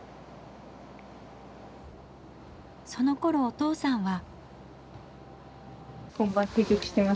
そのころお父さんは。